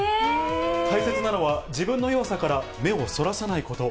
大切なのは、自分の弱さから目をそらさないこと。